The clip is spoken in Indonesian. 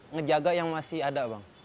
ngejaga yang masih ada bang